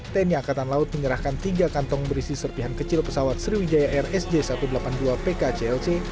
tni angkatan laut menyerahkan tiga kantong berisi serpihan kecil pesawat sriwijaya rsj satu ratus delapan puluh dua pkclc